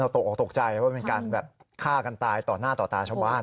ตกออกตกใจว่าเป็นการแบบฆ่ากันตายต่อหน้าต่อตาชาวบ้าน